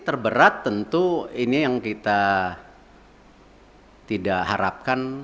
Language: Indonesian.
terberat tentu ini yang kita tidak harapkan